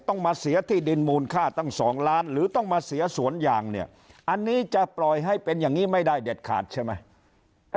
ต้องมาเสียที่ดินมูลค่าตั้ง๒ล้านหรือต้องมาเสียสวนยางเนี่ยอันนี้จะปล่อยให้เป็นอย่างนี้ไม่ได้เด็ดขาดใช่ไหม